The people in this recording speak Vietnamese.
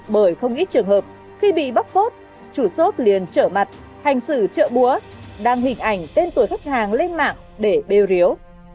bởi không ít trường hợp khi bị bóc phốt chủp liền trở mặt hành xử trợ búa đăng hình ảnh tên tuổi khách hàng lên mạng để bêu riếu